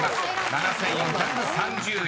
７，４３０円］